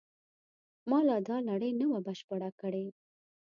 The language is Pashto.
ما لا دا لړۍ نه وه بشپړه کړې.